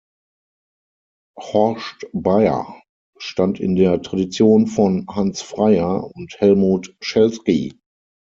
Horst Baier stand in der Tradition von Hans Freyer und Helmut Schelsky.